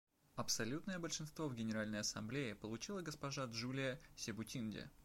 Абсолютное большинство в Генеральной Ассамблее получила госпожа Джулия Себутинде.